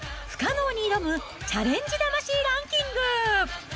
不可能に挑むチャレンジ魂ランキング。